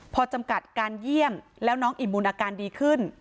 พอจำกัดการเยี่ยมแล้วน้องอิ่มบุญอาการดีขึ้น